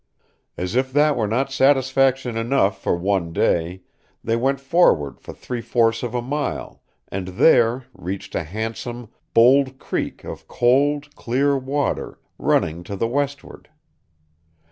As if that were not satisfaction enough for one day, they went forward for three fourths of a mile, and there "reached a handsome, bold creek of cold, clear water, running to the westward."